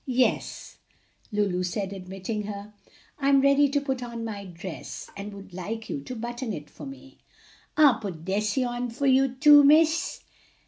"Yes," Lulu said, admitting her, "I'm ready to put on my dress and would like you to button it for me." "An' put dese on fo' you too, Miss?"